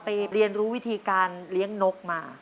เรียนรู้วิธีการเลี้ยงนกมา